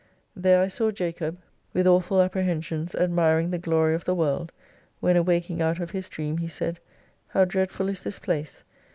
There I saw Jacob with awful appre zio hensions admiring the glory of the world, when awak ing out of his dream, he said, How dreadful is this place.